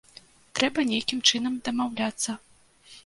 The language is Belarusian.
Трэба нейкім чынам дамаўляцца.